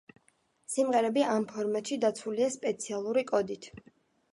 სიმღერები ამ ფორმატში დაცულია სპეციალური კოდით.